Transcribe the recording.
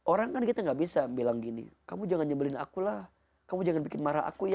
orang kan kita nggak bisa bilang gini kamu jangan nyebelin aku lah kamu jangan bikin marah aku ya